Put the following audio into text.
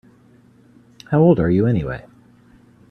How old are you anyway?